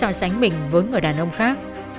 và cố ý so sánh mình với người đàn ông khác